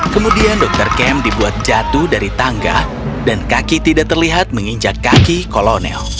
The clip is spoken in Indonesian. kemudian dokter kem dibuat jatuh dari tangga dan kaki tidak terlihat menginjak kaki kolonel